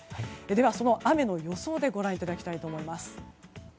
では雨の予想でご覧いただきたいと思います。